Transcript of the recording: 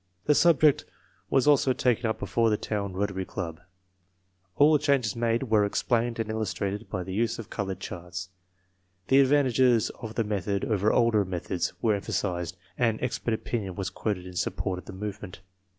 The subject was also taken up before the town Rotary Club. All changes made were explained and illustrated by the use of colored charts. The advantages of the method over older methods were emphasized and expert opinion was quoted in support of the movement.